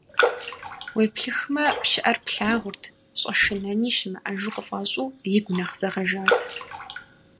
Уеплъыхмэ, пщыӀэр плъагъурт, щӀэшынэни щымыӀэжу къыфӀэщӀу, игу нэхъ зэгъэжат.